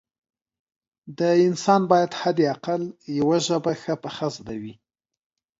د انسان باید حد اقل یوه ژبه ښه پخه زده وي